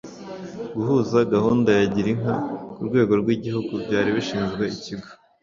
Guhuza gahunda ya girinka ku rwego rw igihugu byari bishinzwe Ikigo